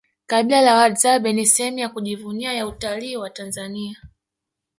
kabila la wadadzabe ni sehemu ya kujivunia ya utalii wa tanzania